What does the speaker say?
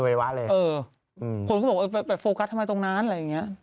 ไววะเลยเอออืมคนก็บอกเอ้ยไปไปทำไมตรงนั้นอะไรอย่างเงี้ย